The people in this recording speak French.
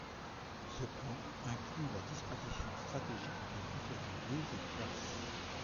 Ce plan inclut la disposition stratégique de différents lieux et places.